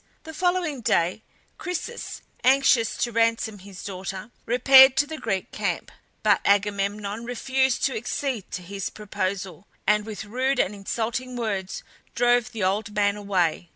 The following day Chryses, anxious to ransom his daughter, repaired to the Greek camp; but Agamemnon refused to accede to his proposal, and with rude and insulting words drove the old man away.